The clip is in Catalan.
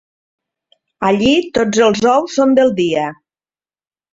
Allí tots els ous són del dia